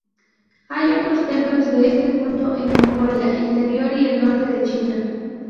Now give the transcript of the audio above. Hay otros templos de este culto en Mongolia Interior y el norte de China.